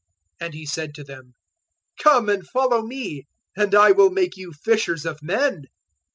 004:019 And He said to them, "Come and follow me, and I will make you fishers of men."